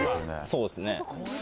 そうっすね。